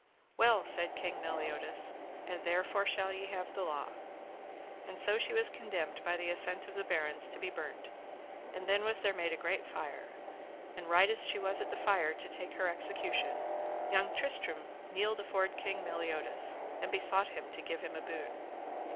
Well, said King Meliodas, and therefore shall ye have the law. And so she was condemned by the assent of the barons to be burnt; and then was there made a great fire, and right as she was at the fire to take her execution, young Tristram kneeled afore King Meliodas, and besought him to give him a boon.